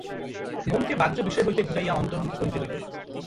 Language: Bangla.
মনকে বাহ্য বিষয় হইতে গুটাইয়া অন্তর্মুখী করিতে হইবে।